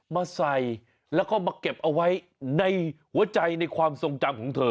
มาใส่แล้วก็มาเก็บเอาไว้ในหัวใจในความทรงจำของเธอ